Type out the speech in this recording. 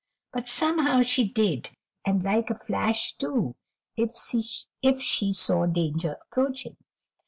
But somehow she did, and like a flash, too, if she saw danger approaching.